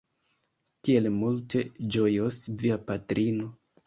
Kiel multe ĝojos via patrino!